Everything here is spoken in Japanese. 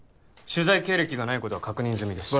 取材経歴がないことは確認済みです